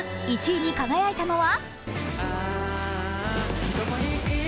１位に輝いたのは？